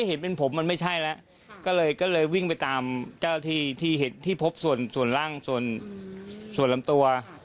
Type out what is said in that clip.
เห็นเป็นผมมันไม่ใช่แล้วก็เลยวิ่งไปตามที่พบส่วนร่างส่วนลำตัว